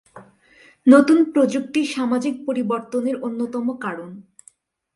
নতুন প্রযুক্তি সামাজিক পরিবর্তনের অন্যতম কারণ।